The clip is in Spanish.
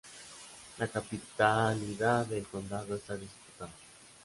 La capitalidad del condado está disputada.